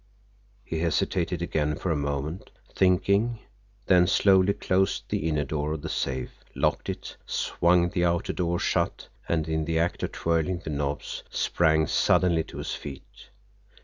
He hesitated again for a moment, thinking, then slowly closed the inner door of the safe, locked it, swung the outer door shut and, in the act of twirling the knobs, sprang suddenly to his feet.